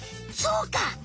そうか！